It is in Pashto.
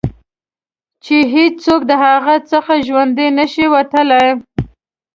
چې هېڅوک د هغه څخه ژوندي نه شي وتلای.